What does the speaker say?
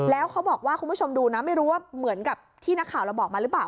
แล้วเขาบอกว่าคุณผู้ชมดูนะไม่รู้ว่าเหมือนกับที่นักข่าวเราบอกมาหรือเปล่า